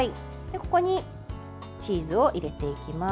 ここにチーズを入れていきます。